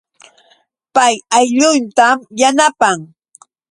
Pay aylluntam yanapan